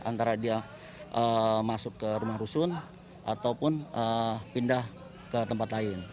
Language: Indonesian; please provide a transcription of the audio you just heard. antara dia masuk ke rumah rusun ataupun pindah ke tempat lain